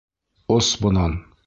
Ос бынан!